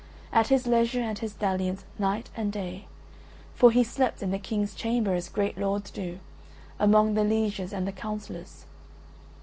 At his leisure and his dalliance, night and day: for he slept in the King's chamber as great lords do, among the lieges and the councillors.